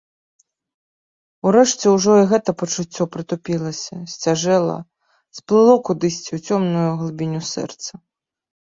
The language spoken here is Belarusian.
Урэшце ўжо і гэта пачуццё прытупілася, сцяжэла, сплыло кудысьці ў цёмную глыбіню сэрца.